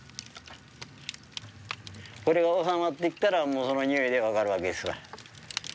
これが収まってきたら匂いで分かるわけですわ。